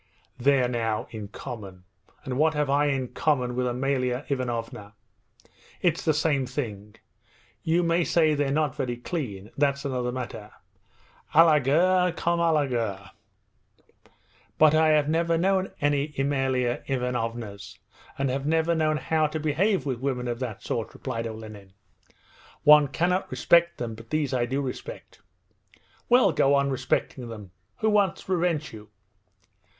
'There now! In common! And what have I in common with Amalia Ivanovna? It's the same thing! You may say they're not very clean that's another matter... A la guerre, comme a la guerre! ...' 'But I have never known any Amalia Ivanovas, and have never known how to behave with women of that sort,' replied Olenin. 'One cannot respect them, but these I do respect.' 'Well go on respecting them! Who wants to prevent you?'